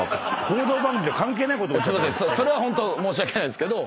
それはホント申し訳ないですけど。